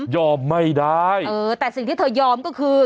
ไม่ได้เออแต่สิ่งที่เธอยอมก็คือ